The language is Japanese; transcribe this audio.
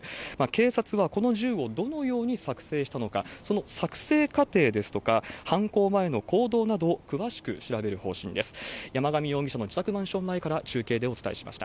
警察はこの銃をどのように作成したのか、その作成過程ですとか、犯行前の行動などを詳しく調べる方針です。